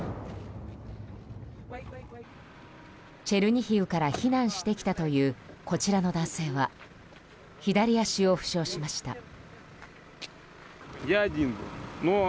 チェルニヒウから避難してきたというこちらの男性は左足を負傷しました。